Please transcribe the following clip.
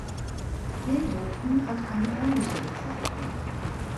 Delhoven hat eine ähnliche Bezeichnung.